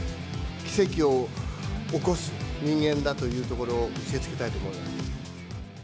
奇跡を起こす人間だというところを見せつけたいと思います。